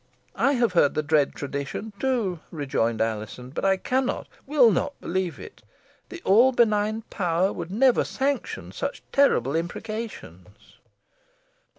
"I have heard the dread tradition, too," rejoined Alizon; "but I cannot, will not, believe it. An all benign Power will never sanction such terrible imprecations."